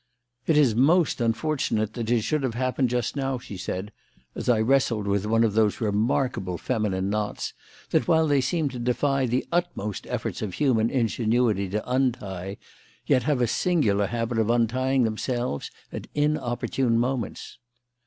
"It is most unfortunate that it should have happened just now," she said, as I wrestled with one of those remarkable feminine knots that, while they seem to defy the utmost efforts of human ingenuity to untie, yet have a singular habit of untying themselves at inopportune moments.